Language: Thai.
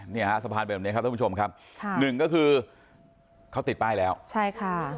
เนี่ยฮะสะพานเป็นแบบนี้ครับท่านผู้ชมครับค่ะหนึ่งก็คือเขาติดป้ายแล้วใช่ค่ะ